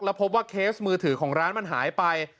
แล้วพบว่าเคสมือถือของร้านมันหายไป